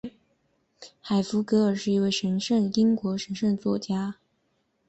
海弗格尔是一位英国圣诗作者。